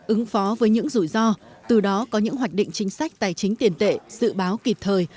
ứng phó với những rủi ro từ đó có những hoạch định chính sách tài chính tiền tệ dự báo kịp thời